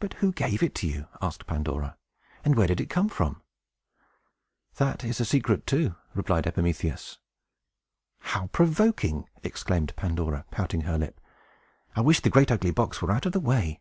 "But who gave it to you?" asked Pandora. "And where did it come from?" "That is a secret, too," replied Epimetheus. "How provoking!" exclaimed Pandora, pouting her lip. "I wish the great ugly box were out of the way!"